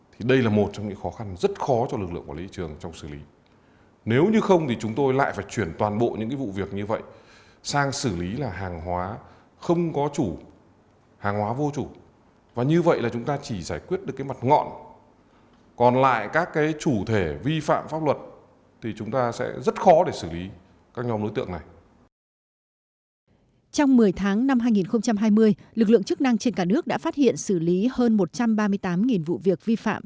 trong một mươi tháng năm hai nghìn hai mươi lực lượng chức năng trên cả nước đã phát hiện xử lý hơn một trăm ba mươi tám vụ việc vi phạm